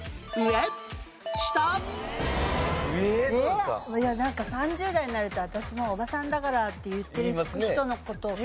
いやなんか３０代になると「私もうおばさんだから」って言ってる人の事。